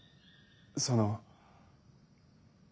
その。